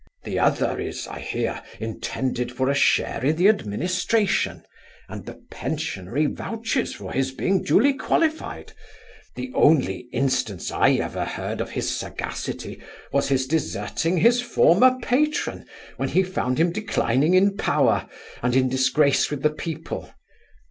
The other is (I hear) intended for a share in the ad[ministratio]n, and the pensionary vouches for his being duly qualified The only instance I ever heard of his sagacity, was his deserting his former patron, when he found him declining in power, and in disgrace with the people.